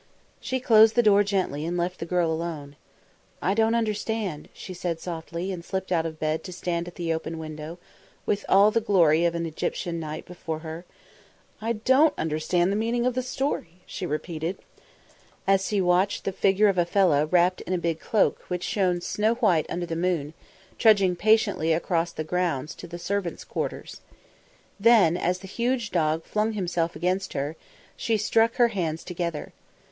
She closed the door gently and left the girl alone. "I don't understand," she said softly, and slipped out of bed to stand at the open window, with all the glory of an Egyptian night before her. "I don't understand the meaning of the story," she repeated, as she watched the figure of a fellah wrapped in a big cloak which shone snow white under the moon, trudging patiently across the grounds to the servants' quarters. Then, as the huge dog flung himself against her, she struck her hands together.